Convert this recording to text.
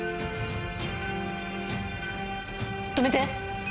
止めて！